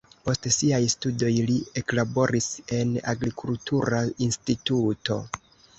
Post siaj studoj li eklaboris en agrikultura instituto.